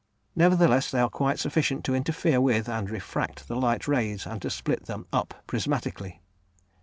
Nevertheless they are quite sufficient to interfere with and refract the light rays and to split them up prismatically.